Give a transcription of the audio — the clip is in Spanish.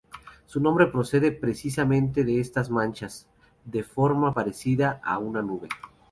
Su nombre procede precisamente de estas manchas, de forma parecida a una nube.